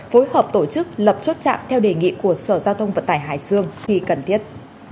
phối hợp tổ chức lập chốt chạm theo đề nghị của sở giao thông vận tải hải dương khi cần thiết